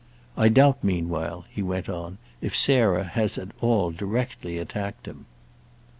I doubt meanwhile," he went on, "if Sarah has at all directly attacked him."